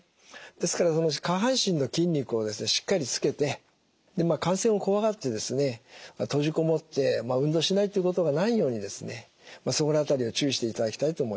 ですからその下半身の筋肉をしっかりつけて感染を怖がって閉じこもって運動しないということがないようにそこの辺りを注意していただきたいと思います。